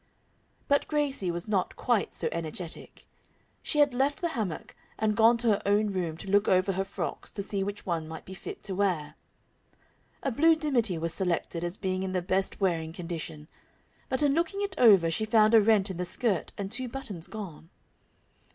But Gracie was not quite so energetic. She had left the hammock and gone to her own room to look over her frocks to see which one might be fit to wear. A blue dimity was selected as being in the best wearing condition, but in looking it over she found a rent in the skirt and two buttons gone.